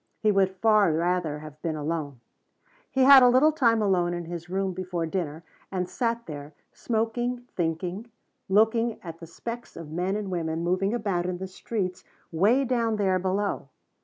He would far rather have been alone. He had a little time alone in his room before dinner and sat there smoking, thinking, looking at the specks of men and women moving about in the streets way down there below.